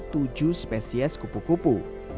tujuh spesies kupu kupu